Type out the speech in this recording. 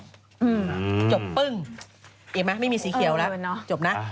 จบปึ้งอีกไหมไม่มีสีเขียวแล้วจบนะ